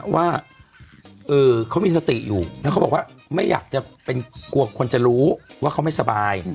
ว่าเขามีสติอยู่แล้วเขาบอกว่าไม่อยากจะเป็นกลัวคนจะรู้ว่าเขาไม่สบาย